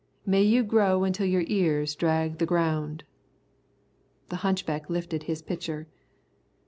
May you grow until your ears drag the ground." The hunchback lifted his pitcher.